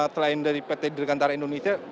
selain dari pt dirgantara indonesia